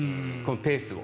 ペースを。